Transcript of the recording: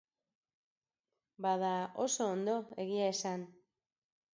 Bada, oso ondo, egia esan.